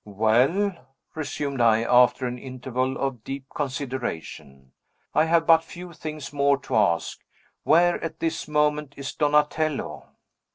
"Well," resumed I, after an interval of deep consideration, "I have but few things more to ask. Where, at this moment, is Donatello?"